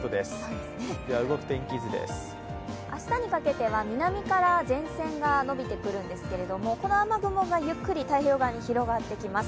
明日にかけては南から前線が延びてくるんですけどこの雨雲がゆっくり太平洋側に広がってきます。